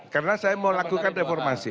karena saya mau lakukan reformasi